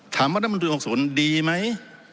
ถามว่าร่างมนตรีปี๖๐ดีไหม